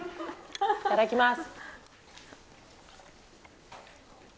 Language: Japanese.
いただきます。